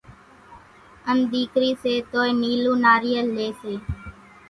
ان ۮيڪري سي توئي نيلون ناريل لئي سي،